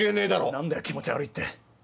何だよ「気持ち悪い」って。